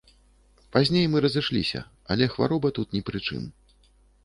Пазней мы разышліся, але хвароба тут ні пры чым.